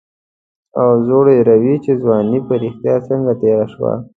او زوړ هېروي چې ځواني په رښتیا څنګه تېره شوه.